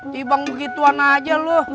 tiba tiba begituan aja lu